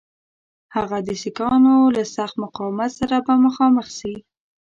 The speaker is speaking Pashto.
هغه د سیکهانو له سخت مقاومت سره به مخامخ سي.